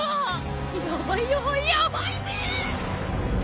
ヤバいよヤバいぜ！